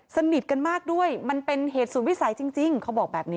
สนิทกันมากด้วยมันเป็นเหตุศูนย์วิสัยจริงเขาบอกแบบนี้